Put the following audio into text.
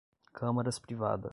câmaras privadas